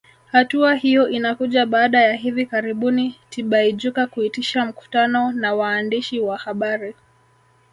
Hatua hiyo inakuja baada ya hivi karibuni Tibaijuka kuitisha mkutano na waandishi wa habari